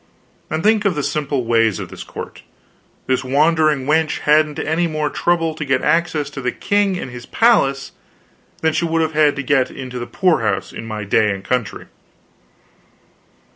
And think of the simple ways of this court: this wandering wench hadn't any more trouble to get access to the king in his palace than she would have had to get into the poorhouse in my day and country.